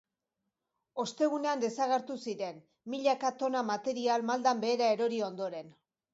Ostegunean desagertu ziren, milaka tona material maldan behera erori ondoren.